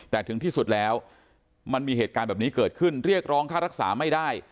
แต่ถึงที่สุดแล้วมันมีเหตุการณ์แบบนี้เกิดขึ้นเรียกร้องค่ารักษาไม่ได้